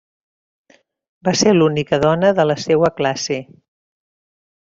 Va ser l'única dona de la seua classe.